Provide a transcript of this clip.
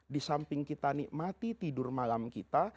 di samping kita nikmati tidur malam kita